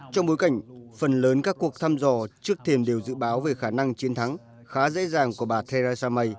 trong bối cảnh phần lớn các cuộc thăm dò trước thiền đều dự báo về khả năng chiến thắng khá dễ dàng của bà theresa may